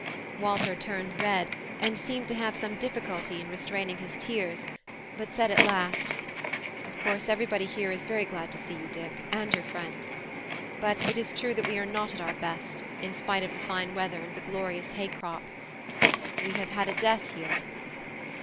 Walter turned red, and seemed to have some difficulty in restraining his tears, but said at last: "Of course everybody here is very glad to see you, Dick, and your friends; but it is true that we are not at our best, in spite of the fine weather and the glorious hay crop. We have had a death here."